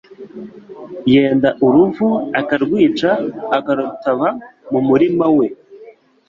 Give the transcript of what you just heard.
yenda uruvu akarwica akarutaba mu murima we,